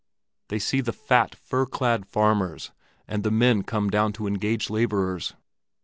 They see the fat, fur clad farmers and the men come down to engage laborers.